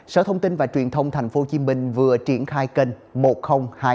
sở thông tin và truyền thông tp hcm vừa triển khai kênh một nghìn hai mươi